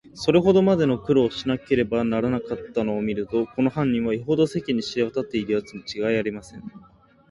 それほどまでの苦労をしなければならなかったのをみると、この犯人は、よほど世間に知れわたっているやつにちがいありません。